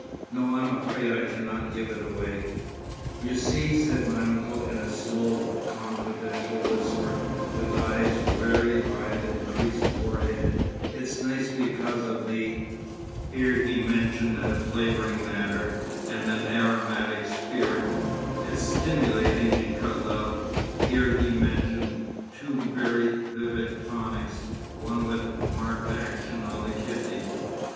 No! I am afraid I cannot give it away—) "You see," said my uncle in a slow confidential whisper, with eyes very wide and a creased forehead, "it's nice because of the" (here he mentioned a flavouring matter and an aromatic spirit), "it's stimulating because of" (here he mentioned two very vivid tonics, one with a marked action on the kidney.)